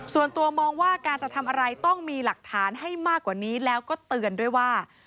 ส่วนตัวมองว่าการจะทำอะไรต้องมีหลักฐานให้มากกว่านี้แล้วก็เตือนด้วยว่า